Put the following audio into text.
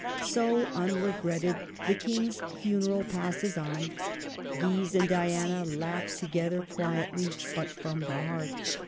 So, unregretted, the King's funeral passes on. Guise and Diana laugh together, quietly, but from the heart.